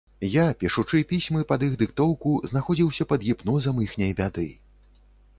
Я, пішучы пісьмы пад іх дыктоўку, знаходзіўся пад гіпнозам іхняй бяды.